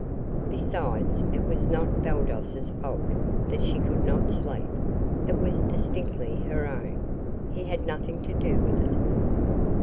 Besides, it was not Baldos's fault that she could not sleep; it was distinctly her own. He had nothing to do with it.